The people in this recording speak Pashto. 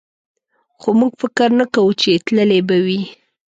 خو موږ فکر نه کوو چې تللی به وي.